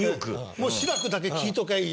もう志らくだけ聴いときゃいい